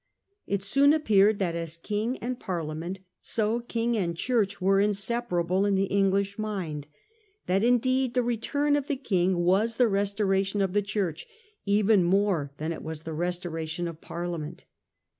It soon appeared that as King and Parliament, so King and Church were inseparable in the English mind ; that indeed the return of the King was the restoration of the Church even more than it was the restoration of Parlia ment.